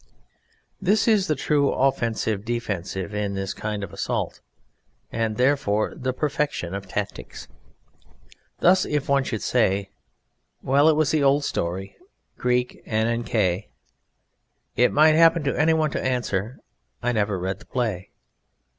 This is the true offensive defensive in this kind of assault, and therefore the perfection of tactics. Thus if one should say: "Well, it was the old story. [Greek: Anankae]." It might happen to anyone to answer: "I never read the play."